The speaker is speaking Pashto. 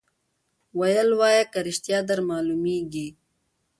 ویل وایه که ریشتیا در معلومیږي